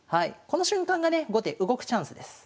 この瞬間がね後手動くチャンスです。